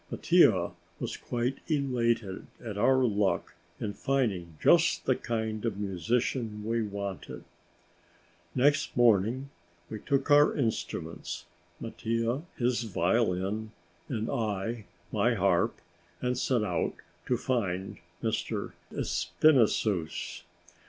Mattia was quite elated at our luck in finding just the kind of musician we wanted. Next morning we took our instruments, Mattia his violin and I my harp, and set out to find M. Espinassous.